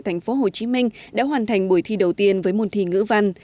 thành phố hồ chí minh đã hoàn thành buổi thi đầu tiên với môn thi ngữ văn